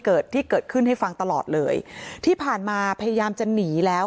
เกิดที่เกิดขึ้นให้ฟังตลอดเลยที่ผ่านมาพยายามจะหนีแล้ว